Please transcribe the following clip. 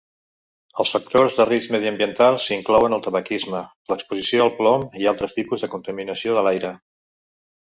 Els factors de risc mediambientals inclouen el tabaquisme, l"exposició al plom i altres tipus de contaminació de l"aire.